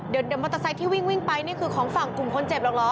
เดี๋ยวมอเตอร์ไซค์ที่วิ่งไปนี่คือของฝั่งกลุ่มคนเจ็บหรอกเหรอ